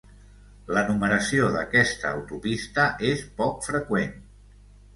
La numeració d'aquesta autopista és poc freqüent.